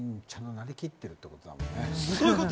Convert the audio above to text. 屍になりきってるってことだもんね。